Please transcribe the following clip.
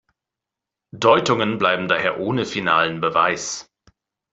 Deutungen bleiben daher ohne finalen Beweis.